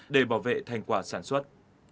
để bảo vệ thành quả sản xuất